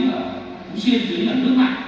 ở phú xuyên dưới là nước mạng